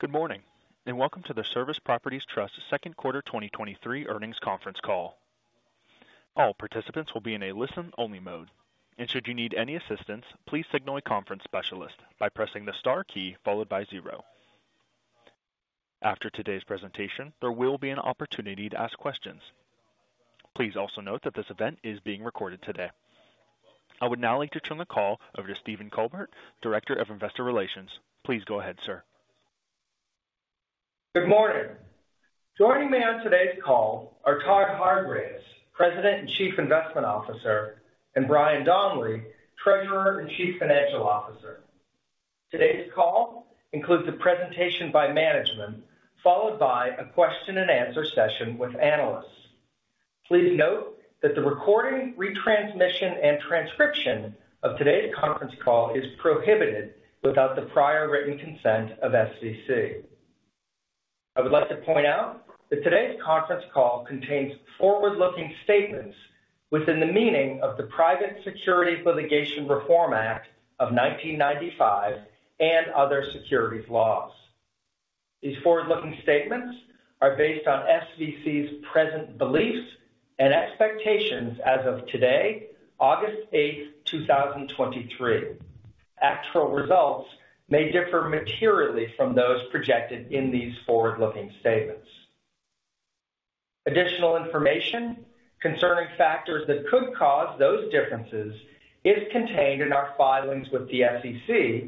Good morning, and welcome to the Service Properties Trust Second Quarter 2023 Earnings Conference Call. All participants will be in a listen-only mode, and should you need any assistance, please signal a conference specialist by pressing the star key followed by 0. After today's presentation, there will be an opportunity to ask questions. Please also note that this event is being recorded today. I would now like to turn the call over to Stephen Colbert, Director of Investor Relations. Please go ahead, sir. Good morning. Joining me on today's call are Todd Hargreaves, President and Chief Investment Officer, and Brian Donley, Treasurer and Chief Financial Officer. Today's call includes a presentation by management, followed by a Q&A session with analysts. Please note that the recording, retransmission, and transcription of today's conference call is prohibited without the prior written consent of SVC. I would like to point out that today's conference call contains forward-looking statements within the meaning of the Private Securities Litigation Reform Act of 1995 and other securities laws. These forward-looking statements are based on SVC's present beliefs and expectations as of today, August 8th, 2023. Actual results may differ materially from those projected in these forward-looking statements. Additional information concerning factors that could cause those differences is contained in our filings with the SEC,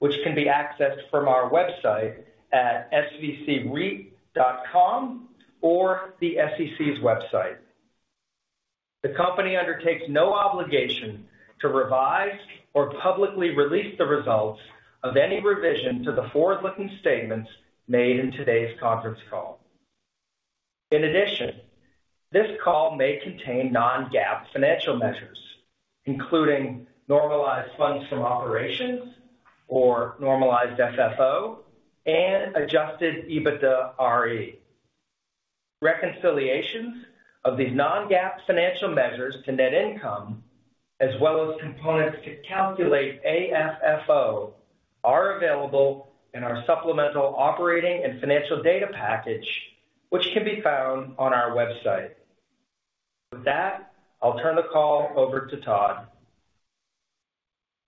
which can be accessed from our website at svcreit.com or the SEC's website. The company undertakes no obligation to revise or publicly release the results of any revision to the forward-looking statements made in today's conference call. In addition, this call may contain non-GAAP financial measures, including normalized funds from operations, or normalized FFO, and Adjusted EBITDAre. Reconciliations of these non-GAAP financial measures to net income, as well as components to calculate AFFO, are available in our supplemental operating and financial data package, which can be found on our website. With that, I'll turn the call over to Todd.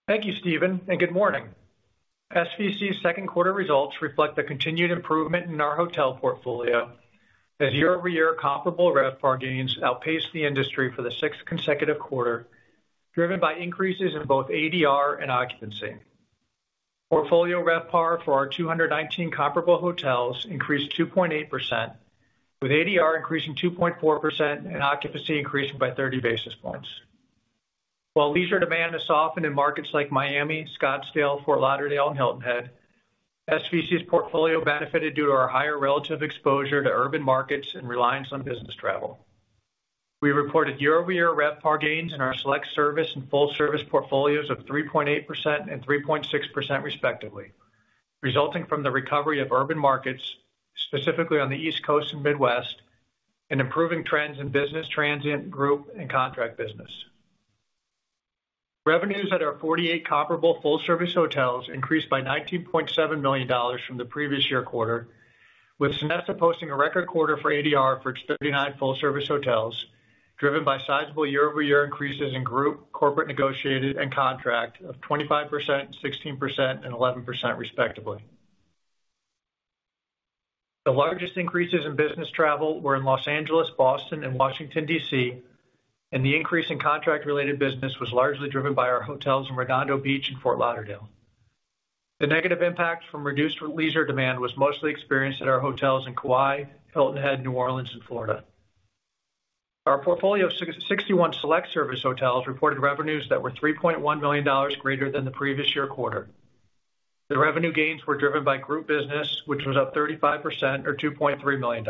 Thank you, Stephen, and good morning. SVC's second quarter results reflect the continued improvement in our hotel portfolio as year-over-year comparable RevPAR gains outpaced the industry for the sixth consecutive quarter, driven by increases in both ADR and occupancy. Portfolio RevPAR for our 219 comparable hotels increased 2.8%, with ADR increasing 2.4% and occupancy increasing by 30 basis points. While leisure demand has softened in markets like Miami, Scottsdale, Fort Lauderdale, and Hilton Head, SVC's portfolio benefited due to our higher relative exposure to urban markets and reliance on business travel. We reported year-over-year RevPAR gains in our select service and full-service portfolios of 3.8% and 3.6%, respectively, resulting from the recovery of urban markets, specifically on the East Coast and Midwest, and improving trends in business, transient, group, and contract business. Revenues at our 48 comparable full-service hotels increased by $19.7 million from the previous year quarter, with Sonesta posting a record quarter for ADR for its 39 full-service hotels, driven by sizable year-over-year increases in group, corporate negotiated, and contract of 25%, 16%, and 11%, respectively. The largest increases in business travel were in Los Angeles, Boston, and Washington, D.C. The increase in contract-related business was largely driven by our hotels in Redondo Beach and Fort Lauderdale. The negative impact from reduced leisure demand was mostly experienced at our hotels in Kauai, Hilton Head, New Orleans, and Florida. Our portfolio of 61 select service hotels reported revenues that were $3.1 million greater than the previous year quarter. The revenue gains were driven by group business, which was up 35% or $2.3 million.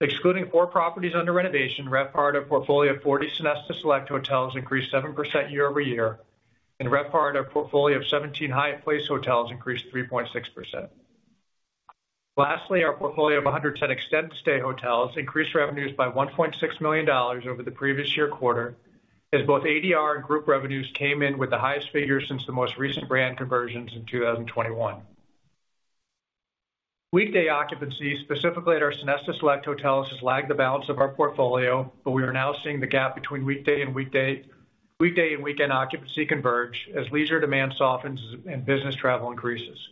Excluding four properties under renovation, RevPAR at our portfolio of 40 Sonesta Select hotels increased 7% year-over-year, and RevPAR at our portfolio of 17 Hyatt Place hotels increased 3.6%. Lastly, our portfolio of 110 extended stay hotels increased revenues by $1.6 million over the previous year quarter, as both ADR and group revenues came in with the highest figures since the most recent brand conversions in 2021. Weekday occupancy, specifically at our Sonesta Select hotels, has lagged the balance of our portfolio, but we are now seeing the gap between weekday and weekend occupancy converge as leisure demand softens and business travel increases.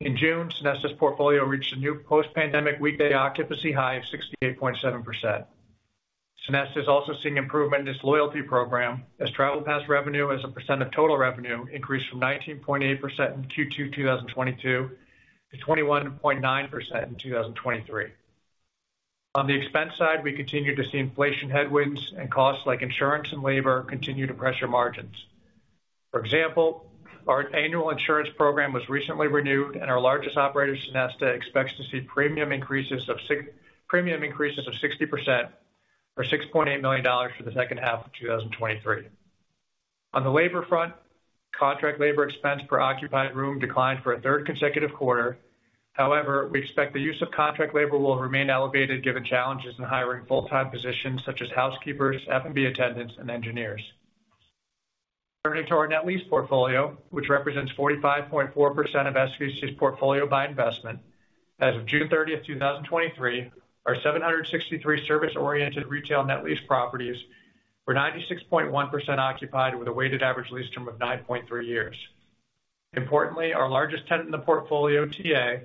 In June, Sonesta's portfolio reached a new post-pandemic weekday occupancy high of 68.7%. Sonesta is also seeing improvement in its loyalty program as Travel Pass revenue as a percent of total revenue increased from 19.8% in Q2 2022 to 21.9% in 2023. On the expense side, we continue to see inflation headwinds and costs like insurance and labor continue to pressure margins. For example, our annual insurance program was recently renewed, and our largest operator, Sonesta, expects to see premium increases of premium increases of 60% or $6.8 million for the second half of 2023. On the labor front, contract labor expense per occupied room declined for a third consecutive quarter. However, we expect the use of contract labor will remain elevated, given challenges in hiring full-time positions such as housekeepers, F&B attendants, and engineers. Turning to our net lease portfolio, which represents 45.4% of SVC's portfolio by investment. As of June 30th, 2023, our 763 service-oriented retail net lease properties were 96.1% occupied, with a weighted average lease term of 9.3 years. Importantly, our largest tenant in the portfolio, TA,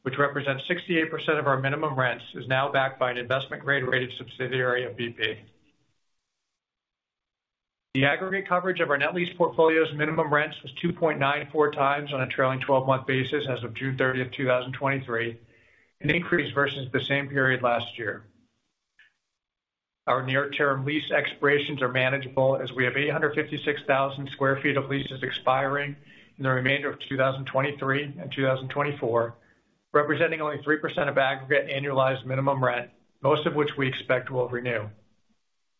which represents 68% of our minimum rents, is now backed by an investment grade-rated subsidiary of BP. The aggregate coverage of our net lease portfolio's minimum rents was 2.94x on a trailing 12-month basis as of June 30th, 2023, an increase versus the same period last year. Our near-term lease expirations are manageable, as we have 856,000 sq ft of leases expiring in the remainder of 2023 and 2024, representing only 3% of aggregate annualized minimum rent, most of which we expect we'll renew.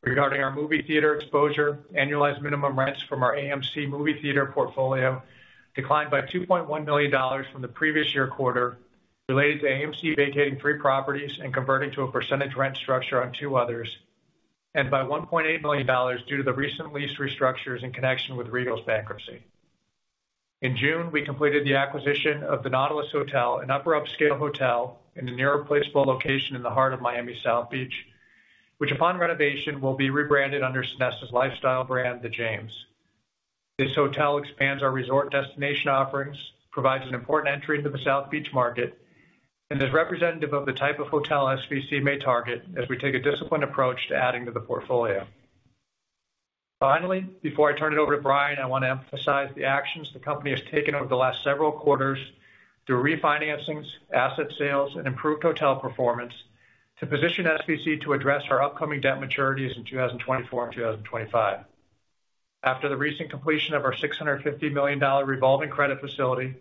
Regarding our movie theater exposure, annualized minimum rents from our AMC movie theater portfolio declined by $2.1 million from the previous year quarter, related to AMC vacating three properties and converting to a percentage rent structure on two others, and by $1.8 million due to the recent lease restructures in connection with Regal's bankruptcy. In June, we completed the acquisition of the Nautilus Hotel, an upper upscale hotel, in an irreplaceable location in the heart of Miami South Beach, which, upon renovation, will be rebranded under Sonesta's lifestyle brand, The James. This hotel expands our resort destination offerings, provides an important entry into the South Beach market, and is representative of the type of hotel SVC may target as we take a disciplined approach to adding to the portfolio. Finally, before I turn it over to Brian, I want to emphasize the actions the company has taken over the last several quarters through refinancings, asset sales, and improved hotel performance to position SVC to address our upcoming debt maturities in 2024 and 2025. After the recent completion of our $650 million revolving credit facility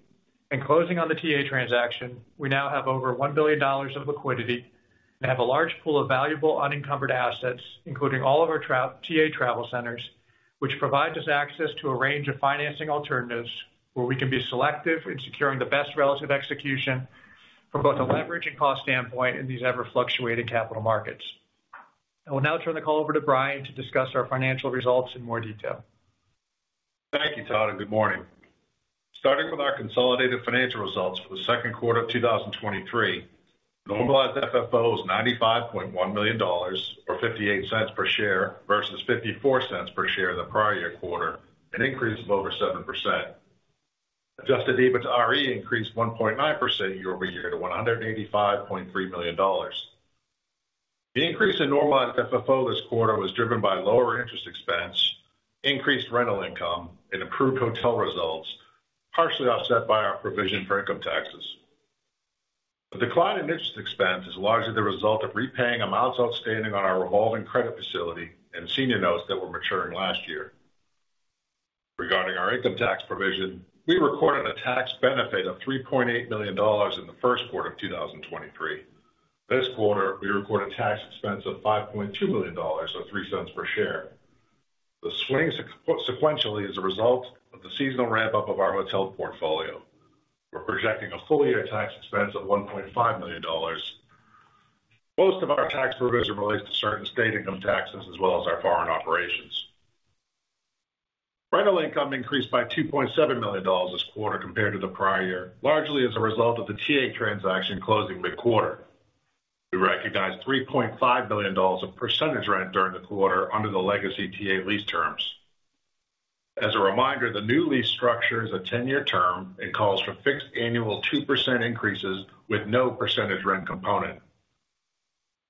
and closing on the TA transaction, we now have over $1 billion of liquidity and have a large pool of valuable unencumbered assets, including all of our TA travel centers, which provides us access to a range of financing alternatives, where we can be selective in securing the best relative execution from both a leverage and cost standpoint in these ever-fluctuating capital markets. I will now turn the call over to Brian to discuss our financial results in more detail. Thank you, Todd. Good morning. Starting with our consolidated financial results for the second quarter of 2023, normalized FFO is $95.1 million, or $0.58 per share, versus $0.54 per share the prior year quarter, an increase of over 7%. Adjusted EBITDAre increased 1.9% year-over-year to $185.3 million. The increase in normalized FFO this quarter was driven by lower interest expense, increased rental income, and improved hotel results, partially offset by our provision for income taxes. The decline in interest expense is largely the result of repaying amounts outstanding on our revolving credit facility and senior notes that were maturing last year. Regarding our income tax provision, we recorded a tax benefit of $3.8 million in the first quarter of 2023. This quarter, we recorded tax expense of $5.2 million, or $0.03 per share. The swing sequentially is a result of the seasonal ramp-up of our hotel portfolio. We're projecting a full-year tax expense of $1.5 million. Most of our tax provision relates to certain state income taxes as well as our foreign operations. Rental income increased by $2.7 million this quarter compared to the prior year, largely as a result of the TA transaction closing mid-quarter. We recognized $3.5 billion of percentage rent during the quarter under the legacy TA lease terms. As a reminder, the new lease structure is a 10-year term and calls for fixed annual 2% increases with no percentage rent component.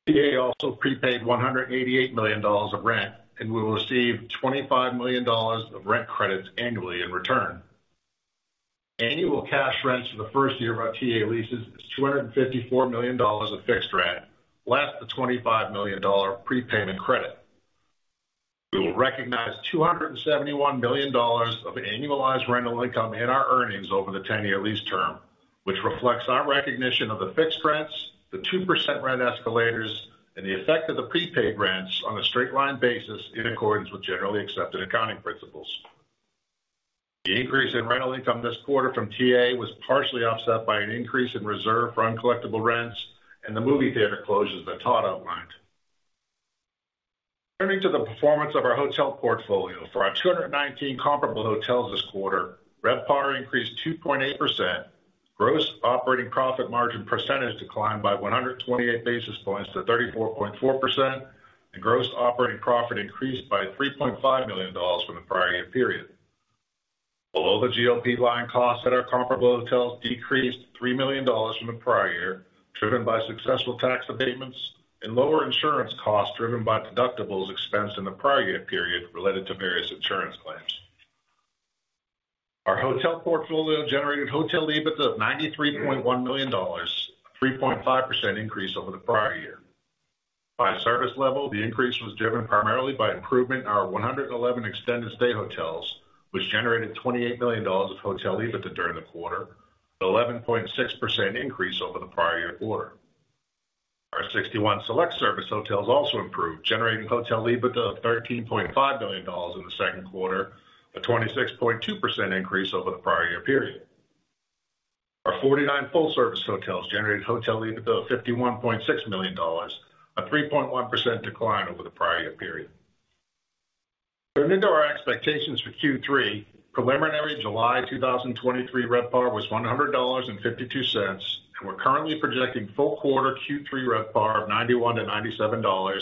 TA also prepaid $188 million of rent and will receive $25 million of rent credits annually in return. Annual cash rents for the first year of our TA leases is $254 million of fixed rent, less the $25 million prepayment credit. We will recognize $271 million of annualized rental income in our earnings over the 10-year lease term, which reflects our recognition of the fixed rents, the 2% rent escalators, and the effect of the prepaid rents on a straight line basis, in accordance with generally accepted accounting principles. The increase in rental income this quarter from TA was partially offset by an increase in reserve for uncollectible rents and the movie theater closures that Todd outlined. Turning to the performance of our hotel portfolio. For our 219 comparable hotels this quarter, RevPAR increased 2.8%. Gross operating profit margin percentage declined by 128 basis points to 34.4%, and gross operating profit increased by $3.5 million from the prior year period. Below the GOP line, costs at our comparable hotels decreased $3 million from the prior year, driven by successful tax abatements and lower insurance costs driven by deductibles expense in the prior year period related to various insurance claims. Our hotel portfolio generated hotel EBITDA of $93.1 million, a 3.5% increase over the prior year. By service level, the increase was driven primarily by improvement in our 111 extended stay hotels, which generated $28 million of hotel EBITDA during the quarter, an 11.6% increase over the prior year quarter. Our 61 select service hotels also improved, generating hotel EBITDA of $13.5 million in the second quarter, a 26.2% increase over the prior year period. Our 49 full-service hotels generated hotel EBITDA of $51.6 million, a 3.1% decline over the prior year period. Turning to our expectations for Q3, preliminary July 2023 RevPAR was $100.52, and we're currently projecting full quarter Q3 RevPAR of $91-$97,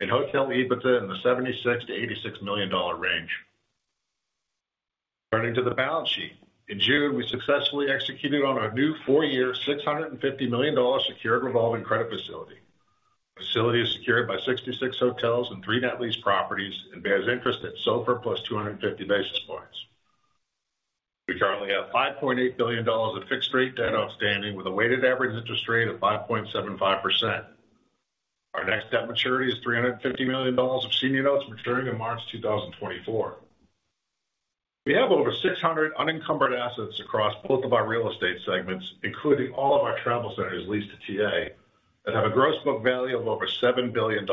and hotel EBITDA in the $76 million-$86 million range. Turning to the balance sheet. In June, we successfully executed on our new four-year, $650 million secured revolving credit facility. The facility is secured by 66 hotels and three net lease properties, and bears interest at SOFR +250 basis points. We currently have $5.8 billion of fixed rate debt outstanding, with a weighted average interest rate of 5.75%. Our next debt maturity is $350 million of senior notes maturing in March 2024. We have over 600 unencumbered assets across both of our real estate segments, including all of our travel centers leased to TA, that have a gross book value of over $7 billion.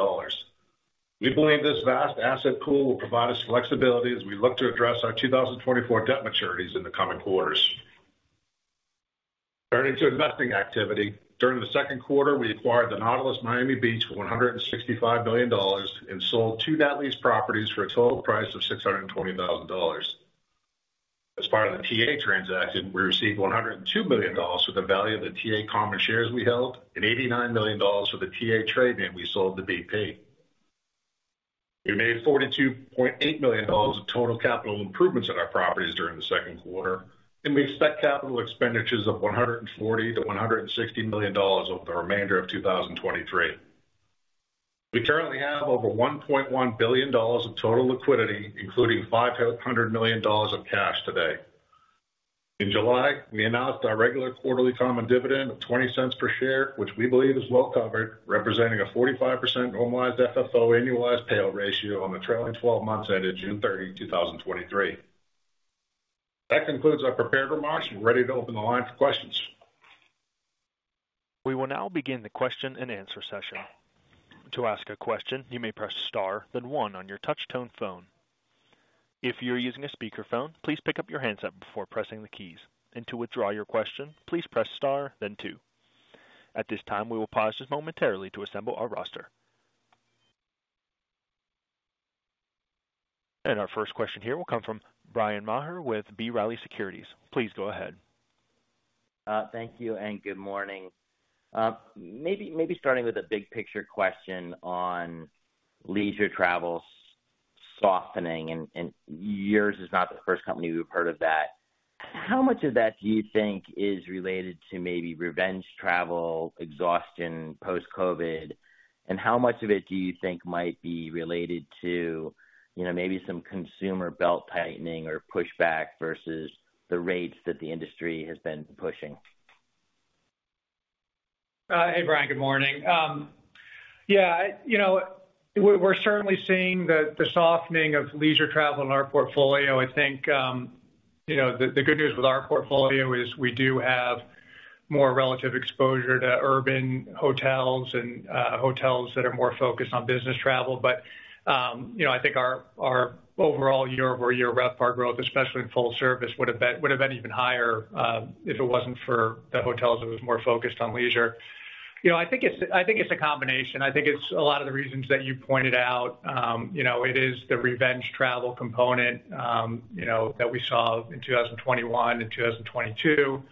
We believe this vast asset pool will provide us flexibility as we look to address our 2024 debt maturities in the coming quarters. Turning to investing activity. During the second quarter, we acquired the Nautilus Sonesta Miami Beach for $165 million and sold two net lease properties for a total price of $620,000. As part of the TA transaction, we received $102 million for the value of the TA common shares we held and $89 million for the TA trade name we sold to BP. We made $42.8 million of total capital improvements at our properties during the second quarter, and we expect capital expenditures of $140 million-$160 million over the remainder of 2023. We currently have over $1.1 billion of total liquidity, including $500 million of cash to date. In July, we announced our regular quarterly common dividend of $0.20 per share, which we believe is well covered, representing a 45% normalized FFO annualized payout ratio on the trailing 12 months ended June 30, 2023. That concludes our prepared remarks. We're ready to open the line for questions. We will now begin the question-and-answer session. To ask a question, you may press star, then one on your touch tone phone. If you're using a speakerphone, please pick up your handset before pressing the keys. To withdraw your question, please press star then two. At this time, we will pause just momentarily to assemble our roster. Our first question here will come from Bryan Maher with B. Riley Securities. Please go ahead. Thank you, and good morning. Maybe, maybe starting with a big picture question on leisure travel softening, and yours is not the first company we've heard of that. How much of that do you think is related to maybe revenge travel, exhaustion, post-COVID? How much of it do you think might be related to, you know, maybe some consumer belt tightening or pushback versus the rates that the industry has been pushing? Hey, Brian, good morning. Yeah, you know, we're, we're certainly seeing the, the softening of leisure travel in our portfolio. I think, you know, the, the good news with our portfolio is we do have more relative exposure to urban hotels and hotels that are more focused on business travel. You know, I think our, our overall year-over-year RevPAR growth, especially in full service, would have been, would have been even higher if it wasn't for the hotels that was more focused on leisure. You know, I think it's, I think it's a combination. I think it's a lot of the reasons that you pointed out. You know, it is the revenge travel component, you know, that we saw in 2021 and 2022.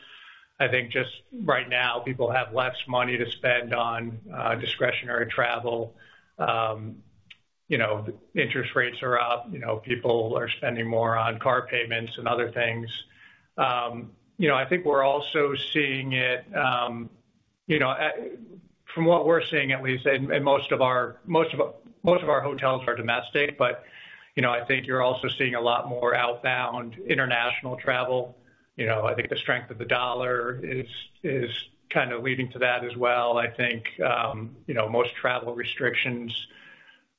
I think just right now, people have less money to spend on discretionary travel. You know, interest rates are up, you know, people are spending more on car payments and other things. You know, I think we're also seeing it, you know, from what we're seeing, at least, in most of our hotels are domestic, but, you know, I think you're also seeing a lot more outbound international travel. You know, I think the strength of the dollar is, is kind of leading to that as well. I think, you know, most travel restrictions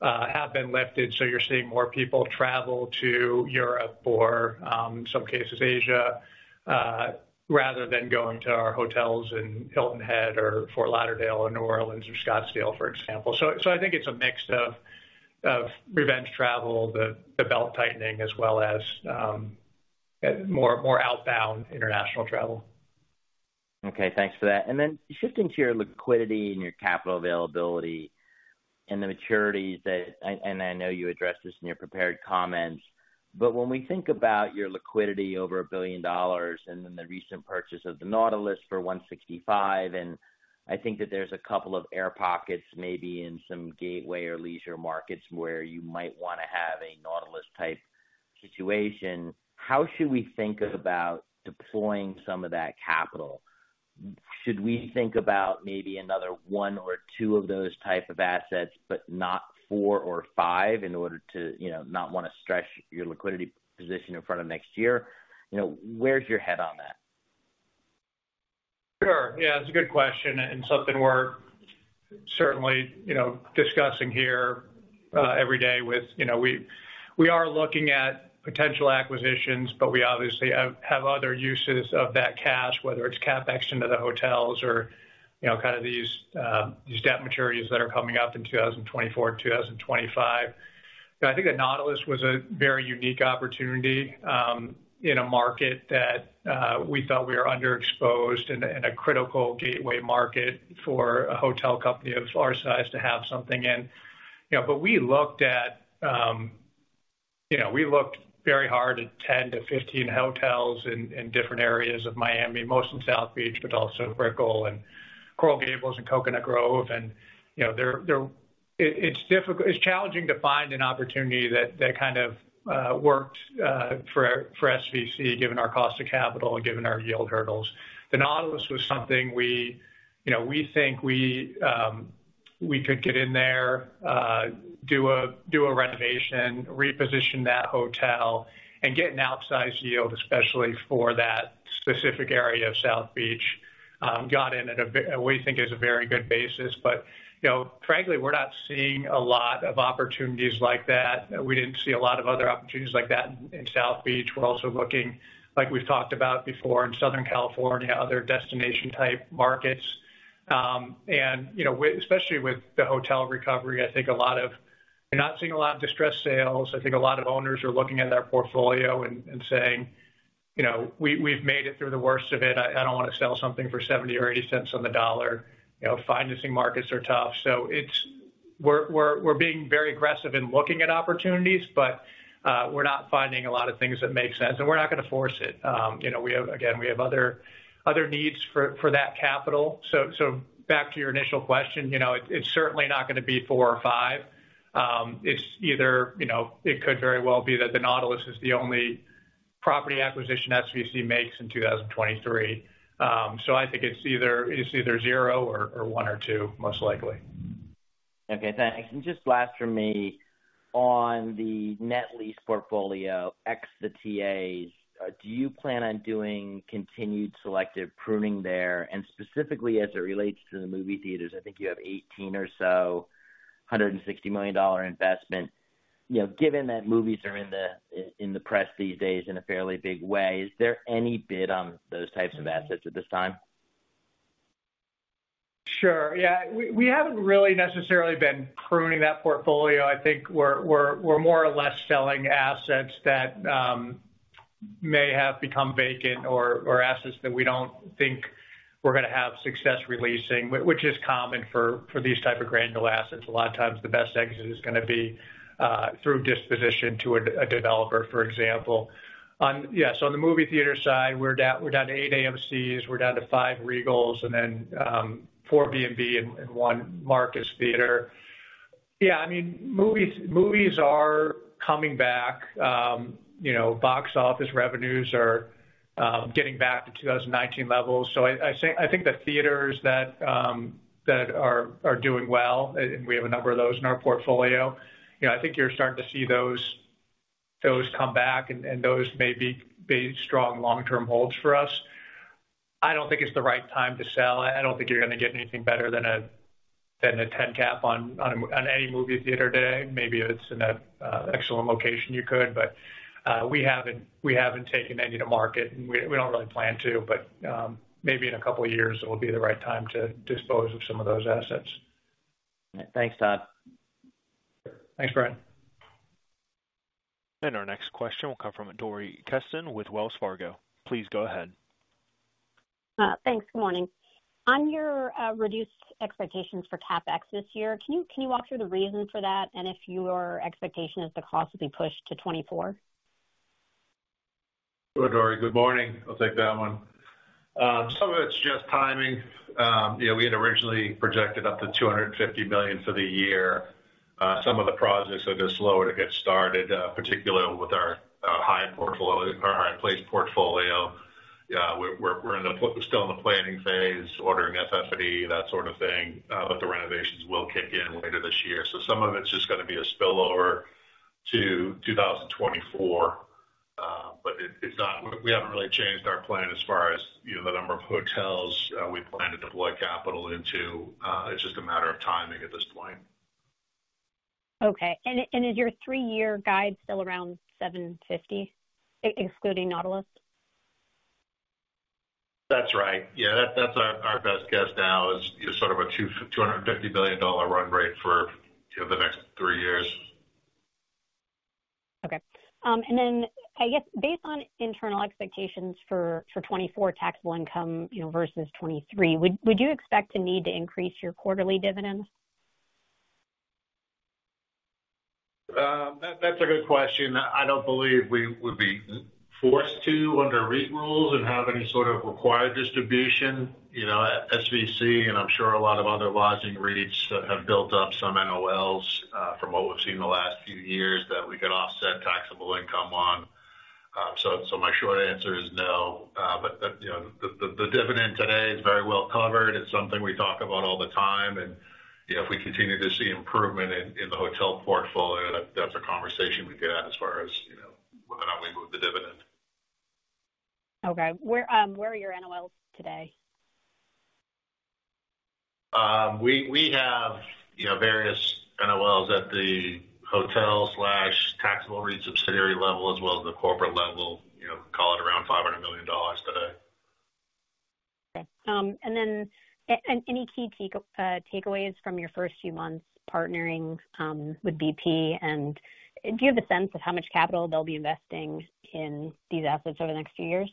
have been lifted, so you're seeing more people travel to Europe or, in some cases, Asia, rather than going to our hotels in Hilton Head or Fort Lauderdale, or New Orleans, or Scottsdale, for example. I think it's a mix of, of revenge travel, the, the belt tightening, as well as, more, more outbound international travel. Okay, thanks for that. Shifting to your liquidity and your capital availability and the maturities that and I know you addressed this in your prepared comments, but when we think about your liquidity over $1 billion and then the recent purchase of the Nautilus for $165 million, and I think that there's a couple of air pockets, maybe in some gateway or leisure markets where you might wanna have a Nautilus-type situation, how should we think about deploying some of that capital? Should we think about maybe another one or two of those type of assets, but not four or five in order to, you know, not wanna stretch your liquidity position in front of next year? You know, where's your head on that? Sure. Yeah, it's a good question and something we're certainly, you know, discussing here. Every day with, you know, we, we are looking at potential acquisitions, but we obviously have, have other uses of that cash, whether it's CapEx into the hotels or, you know, kind of these debt maturities that are coming up in 2024 and 2025. I think the Nautilus was a very unique opportunity in a market that we felt we were underexposed in a, in a critical gateway market for a hotel company of our size to have something in. You know, we looked at, you know, we looked very hard at 10-15 hotels in, in different areas of Miami, most in South Beach, but also in Brickell and Coral Gables and Coconut Grove. You know, there, it's difficult, it's challenging to find an opportunity that kind of works for SVC, given our cost of capital and given our yield hurdles. The Nautilus was something we, you know, we think we could get in there, do a renovation, reposition that hotel, and get an outsized yield, especially for that specific area of South Beach. Got in at a what we think is a very good basis. You know, frankly, we're not seeing a lot of opportunities like that. We didn't see a lot of other opportunities like that in South Beach. We're also looking, like we've talked about before, in Southern California, other destination-type markets. You know, with especially with the hotel recovery, I think a lot of... We're not seeing a lot of distressed sales. I think a lot of owners are looking at their portfolio and saying, "You know, we, we've made it through the worst of it. I, I don't want to sell something for $0.70 or $0.80 on the dollar." You know, financing markets are tough. We're being very aggressive in looking at opportunities, but we're not finding a lot of things that make sense, and we're not gonna force it. You know, we have again, we have other, other needs for that capital. Back to your initial question, you know, it's certainly not gonna be four or five. It's either, you know, it could very well be that the Nautilus is the only property acquisition SVC makes in 2023. I think it's either, it's either 0 or one or two, most likely. Okay, thanks. Just last for me, on the net lease portfolio, ex the TAs, do you plan on doing continued selective pruning there? Specifically, as it relates to the movie theaters, I think you have 18 or so, $160 million investment. You know, given that movies are in the press these days in a fairly big way, is there any bid on those types of assets at this time? Sure. Yeah, we, we haven't really necessarily been pruning that portfolio. I think we're, we're, we're more or less selling assets that may have become vacant or assets that we don't think we're gonna have success releasing, which is common for these type of granular assets. A lot of times, the best exit is gonna be through disposition to a developer, for example. On... Yeah, on the movie theater side, we're down, we're down to eight AMCs, we're down to five Regals, and then, four B&B and one Marcus Theatres. Yeah, I mean, movies, movies are coming back. You know, box office revenues are getting back to 2019 levels. I, I think, I think the theaters that are doing well, and we have a number of those in our portfolio, you know, I think you're starting to see those, those come back, and those may be strong long-term holds for us. I don't think it's the right time to sell. I don't think you're gonna get anything better than a 10 cap on any movie theater today. Maybe if it's in an excellent location, you could, but we haven't, we haven't taken any to market, and we, we don't really plan to, but maybe in a couple of years, it will be the right time to dispose of some of those assets. Thanks, Todd. Thanks, Brian. Our next question will come from Dori Kesten with Wells Fargo. Please go ahead. Thanks. Good morning. On your reduced expectations for CapEx this year, can you walk through the reason for that, and if your expectation is the cost will be pushed to 2024? Hello, Dori. Good morning. I'll take that one. Some of it's just timing. You know, we had originally projected up to $250 million for the year. Some of the projects are just slower to get started, particularly with our Hyatt Place portfolio. We're still in the planning phase, ordering FF&E, that sort of thing, but the renovations will kick in later this year. Some of it's just gonna be a spillover to 2024, but it's not. We haven't really changed our plan as far as, you know, the number of hotels, we plan to deploy capital into. It's just a matter of timing at this point. Okay. Is your three-year guide still around $750 million, ex-excluding Nautilus? That's right. Yeah, that's our, our best guess now is, is sort of a $250 million run rate for, you know, the next three years. Okay. I guess, based on internal expectations for 2024 taxable income, you know, versus 2023, would, would you expect to need to increase your quarterly dividend? That's a good question. I don't believe we would be forced to under REIT rules and have any sort of required distribution. You know, SVC, and I'm sure a lot of other lodging REITs, have built up some NOLs from what we've seen in the last few years, that we could offset taxable income on. So, my short answer is no, but the, you know, the dividend today is very well covered. It's something we talk about all the time, and, you know, if we continue to see improvement in the hotel portfolio, that's a conversation we'd get at as far as... Okay. Where, where are your NOLs today? We, we have, you know, various NOLs at the hotel/taxable REIT subsidiary level as well as the corporate level, you know, call it around $500 million today. Okay. Then any key takeaways from your first few months partnering with BP? Do you have a sense of how much capital they'll be investing in these assets over the next few years?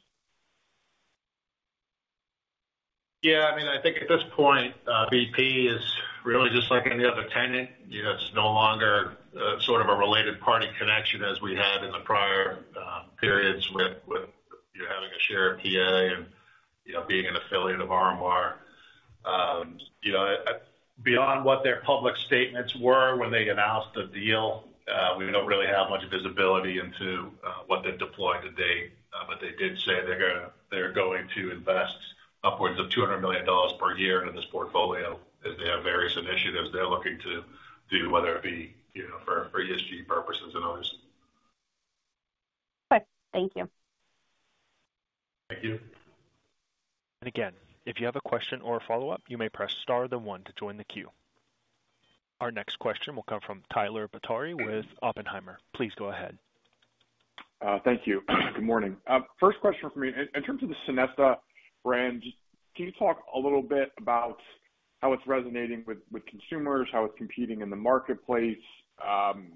Yeah, I mean, I think at this point, BP is really just like any other tenant. You know, it's no longer sort of a related party connection as we had in the prior periods with, with, you know, having a share of TA and, you know, being an affiliate of RMR. You know, beyond what their public statements were when they announced the deal, we don't really have much visibility into what they've deployed to date, but they did say they're going to invest upwards of $200 million per year in this portfolio, as they have various initiatives they're looking to do, whether it be, you know, for, for ESG purposes and others. Okay. Thank you. Thank you. Again, if you have a question or a follow-up, you may press star then one to join the queue. Our next question will come from Tyler Batory with Oppenheimer. Please go ahead. Thank you. Good morning. First question for me. In, in terms of the Sonesta brand, can you talk a little bit about how it's resonating with, with consumers, how it's competing in the marketplace,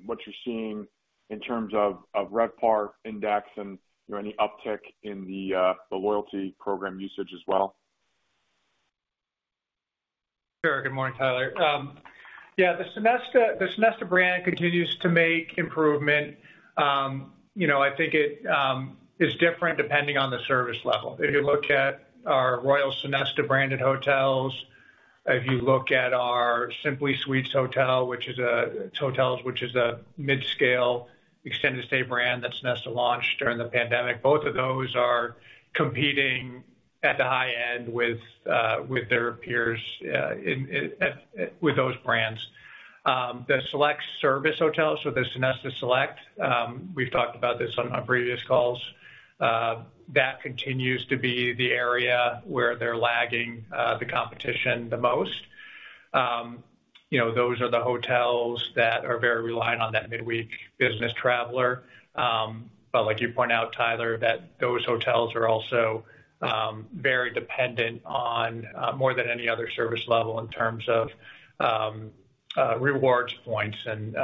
what you're seeing in terms of, of RevPAR index and, you know, any uptick in the loyalty program usage as well? Sure. Good morning, Tyler. Yeah, the Sonesta, the Sonesta brand continues to make improvement. You know, I think it is different depending on the service level. If you look at our Royal Sonesta branded hotels, if you look at our Sonesta Simply Suites, which is a mid-scale extended stay brand that Sonesta launched during the pandemic, both of those are competing at the high end with with their peers in with those brands. The Select service hotels, so the Sonesta Select, we've talked about this on our previous calls, that continues to be the area where they're lagging the competition the most. You know, those are the hotels that are very reliant on that midweek business traveler. Like you point out, Tyler, that those hotels are also very dependent on more than any other service level in terms of rewards points and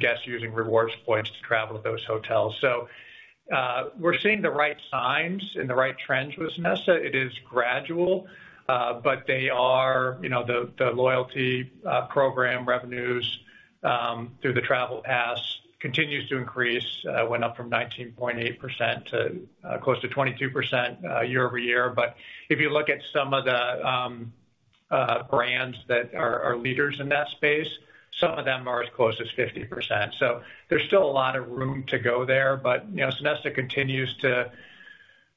guests using rewards points to travel to those hotels. We're seeing the right signs and the right trends with Sonesta. It is gradual, but they are, you know, the loyalty program revenues through the Travel Pass continues to increase. It went up from 19.8% to close to 22% year-over-year. If you look at some of the brands that are leaders in that space, some of them are as close as 50%. There's still a lot of room to go there, but, you know, Sonesta continues to,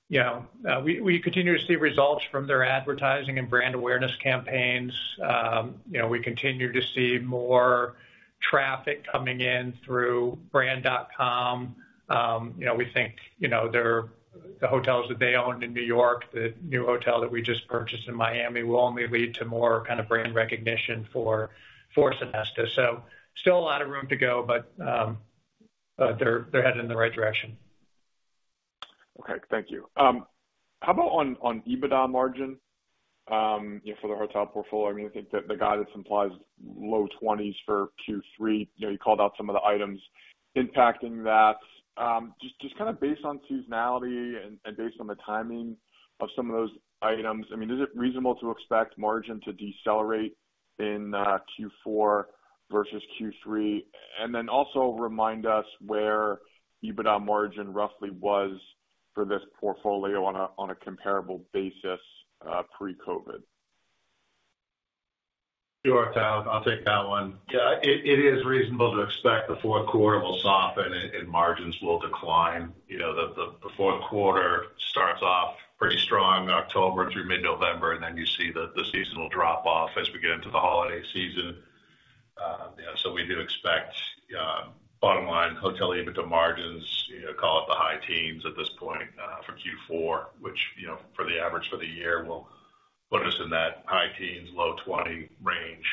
you know... We, we continue to see results from their advertising and brand awareness campaigns. You know, we continue to see more traffic coming in through brand.com. You know, we think, you know, there are the hotels that they own in New York, the new hotel that we just purchased in Miami, will only lead to more kind of brand recognition for, for Sonesta. Still a lot of room to go, but they're, they're headed in the right direction. Okay, thank you. How about on, on EBITDA margin, you know, for the hotel portfolio? I mean, I think the, the guidance implies low twenties for Q3. You know, you called out some of the items impacting that. Just, just kind of based on seasonality and, and based on the timing of some of those items, I mean, is it reasonable to expect margin to decelerate in Q4 versus Q3? Also remind us where EBITDA margin roughly was for this portfolio on a, on a comparable basis, pre-COVID. Sure, Tyler, I'll take that one. Yeah, it, it is reasonable to expect the fourth quarter will soften and, and margins will decline. You know, the, the, the fourth quarter starts off pretty strong in October through mid-November, and then you see the, the seasonal drop off as we get into the holiday season. So we do expect bottom line, hotel EBITDA margins, you know, call it the high teens at this point, for Q4, which, you know, for the average for the year, will put us in that high teens, low 20 range.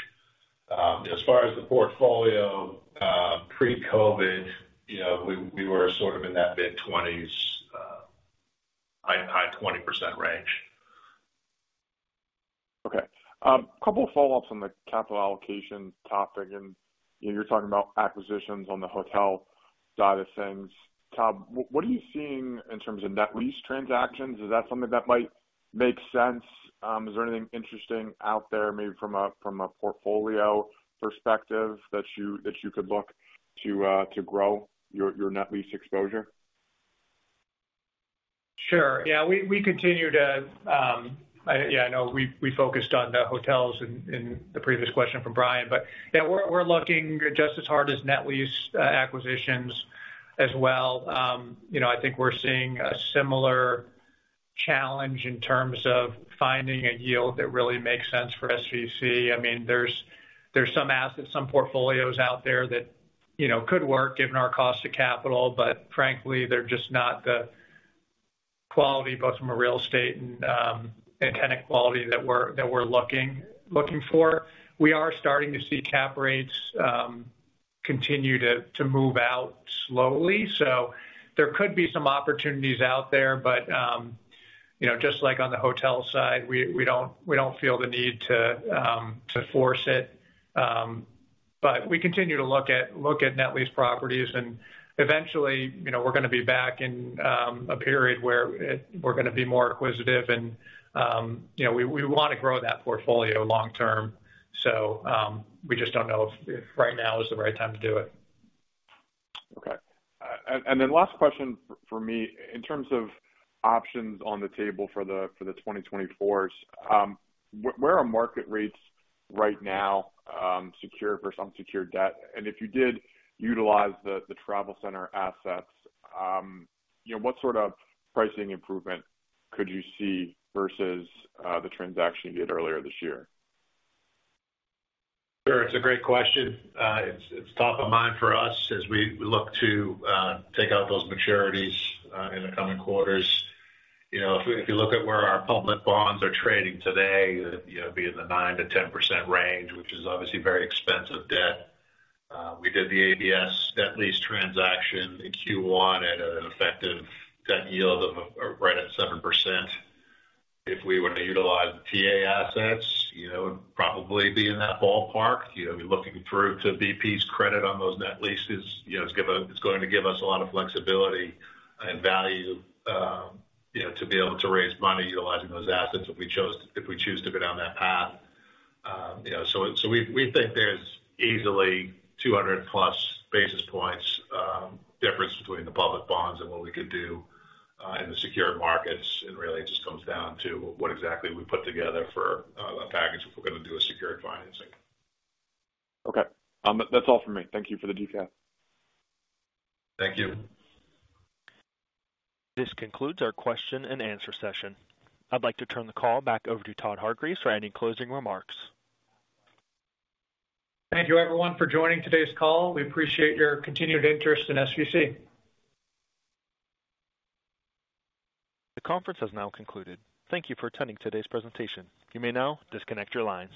As far as the portfolio, pre-COVID, you know, we, we were sort of in that mid-20s, high, high 20% range. Okay. A couple of follow-ups on the capital allocation topic. You know, you're talking about acquisitions on the hotel side of things. Todd Hargreaves, what are you seeing in terms of net lease transactions? Is that something that might make sense? Is there anything interesting out there, maybe from a, from a portfolio perspective, that you, that you could look to, to grow your, your net lease exposure? Sure. Yeah, we, we continue to. I, yeah, I know we, we focused on the hotels in the previous question from Brian, but yeah, we're, we're looking just as hard as net lease acquisitions as well. You know, I think we're seeing a similar challenge in terms of finding a yield that really makes sense for SVC. I mean, there's some assets, some portfolios out there that, you know, could work given our cost of capital, but frankly, they're just not the quality, both from a real estate and tenant quality that we're, that we're looking for. We are starting to see cap rates continue to move out slowly, so there could be some opportunities out there. You know, just like on the hotel side, we, we don't, we don't feel the need to force it. We continue to look at, look at net lease properties, and eventually, you know, we're gonna be back in a period where we're gonna be more acquisitive and, you know, we, we wanna grow that portfolio long term. We just don't know if, if right now is the right time to do it. Okay. And then last question for me. In terms of options on the table for the, for the 2024s, where are market rates right now, secured versus unsecured debt? If you did utilize the Travel Center assets, you know, what sort of pricing improvement could you see versus the transaction you did earlier this year? Sure, it's a great question. It's, it's top of mind for us as we look to take out those maturities in the coming quarters. You know, if you look at where our public bonds are trading today, you know, via the 9%-10% range, which is obviously very expensive debt. We did the ABS net lease transaction in Q1 at an effective debt yield of, right at 7%. If we were to utilize the TA assets, you know, it would probably be in that ballpark. You know, we're looking through to BP's credit on those net leases. You know, it's going to give us a lot of flexibility and value, you know, to be able to raise money utilizing those assets if we choose to go down that path. You know, we think there's easily 200+ basis points difference between the public bonds and what we could do in the secured markets. Really it just comes down to what exactly we put together for a package if we're gonna do a secured financing. Okay. That's all for me. Thank you for the deep dive. Thank you. This concludes our Q&A session. I'd like to turn the call back over to Todd Hargreaves for any closing remarks. Thank you, everyone, for joining today's call. We appreciate your continued interest in SVC. The conference has now concluded. Thank you for attending today's presentation. You may now disconnect your lines.